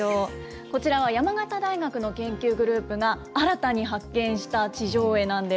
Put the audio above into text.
こちらは、山形大学の研究グループが、新たに発見した地上絵なんです。